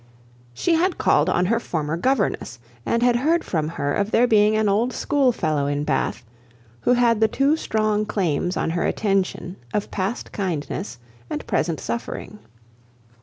She had called on her former governess, and had heard from her of there being an old school fellow in Bath, who had the two strong claims on her attention of past kindness and present suffering.